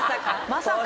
まさか？